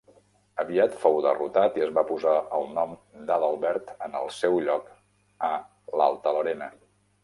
Aviat fou derrotat i es va posar el nom d'Adalbert en el seu lloc a l'Alta Lorena.